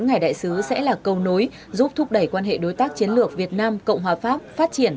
ngài đại sứ sẽ là cầu nối giúp thúc đẩy quan hệ đối tác chiến lược việt nam cộng hòa pháp phát triển